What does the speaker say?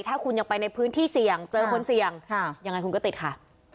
ถ้าคุณยังไปในพื้นที่เสี่ยงเจอคนเสี่ยงยังไงคุณก็ติดค่ะ